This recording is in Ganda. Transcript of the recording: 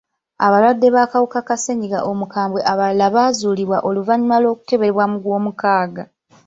Abalwadde b'akawuka ka ssennyiga omukambwe abalala baazuulibwa oluvannyuma lw'okukeberebwa mu gw'omukaaga.